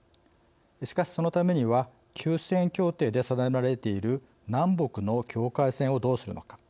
しかし、そのためには休戦協定で定められている南北の境界線をどうするのか。